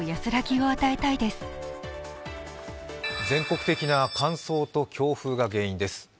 全国的な乾燥と強風が原因です。